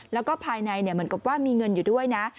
แล้วก็ภายในเหมือนกับว่ามีเงินอยู่ด้วยนะ